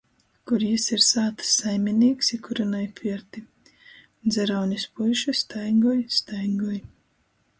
Kur jis ir sātys saiminīks i kurynoj pierti. Dzeraunis puiši staigoj, staigoj.